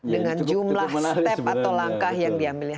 dengan jumlah langkah yang diambilnya